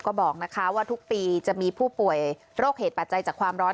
ก็บอกนะคะว่าทุกปีจะมีผู้ป่วยโรคเหตุปัจจัยจากความร้อน